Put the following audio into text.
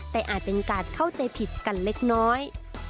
แต่อาจเป็นการเข้าใจผิดกันเล็กน้อย